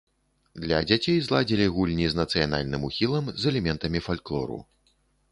Для дзяцей зладзілі гульні з нацыянальным ухілам, з элементамі фальклору.